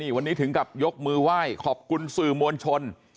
วันนี้ถึงกับยกมือไหว้ขอบคุณสื่อมวลชน